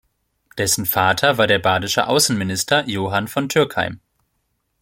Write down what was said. Dessen Vater war der badische Außenminister Johann von Türckheim.